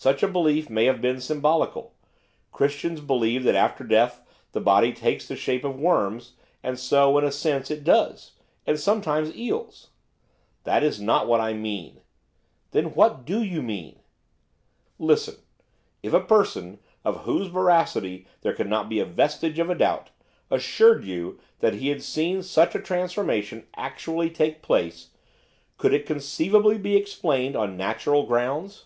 Such a belief may have been symbolical. Christians believe that after death the body takes the shape of worms and so, in a sense, it does, and, sometimes, eels.' 'That is not what I mean.' 'Then what do you mean?' 'Listen. If a person, of whose veracity there could not be a vestige of a doubt, assured you that he had seen such a transformation actually take place, could it conceivably be explained on natural grounds?